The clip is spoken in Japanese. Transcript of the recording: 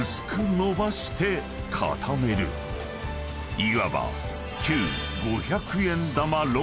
［いわば］